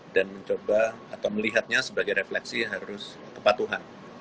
dan mencoba atau melihatnya sebagai refleksi harus kepatuhan